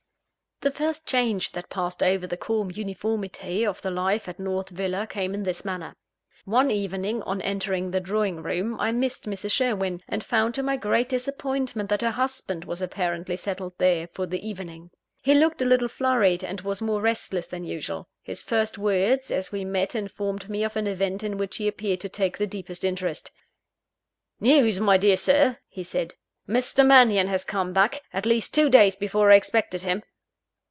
The first change that passed over the calm uniformity of the life at North Villa, came in this manner: One evening, on entering the drawing room, I missed Mrs. Sherwin; and found to my great disappointment that her husband was apparently settled there for the evening. He looked a little flurried, and was more restless than usual. His first words, as we met, informed me of an event in which he appeared to take the deepest interest. "News, my dear sir!" he said. "Mr. Mannion has come back at least two days before I expected him!"